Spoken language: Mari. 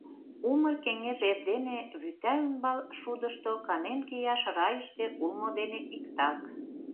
Умыр кеҥеж эрдене вӱта ӱмбал шудышто канен кияш райыште улмо дене иктак.